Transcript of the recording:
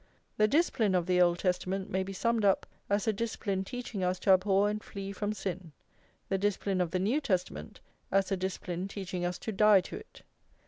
The discipline of the Old Testament may be summed up as a discipline teaching us to abhor and flee from sin; the discipline of the New Testament, as a discipline teaching us to die to it.